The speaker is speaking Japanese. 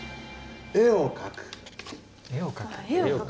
絵を描く？